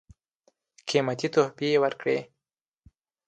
قېمتي تحفې ورکړې.